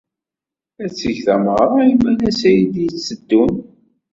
Ad teg tameɣra imalas ay d-yetteddun.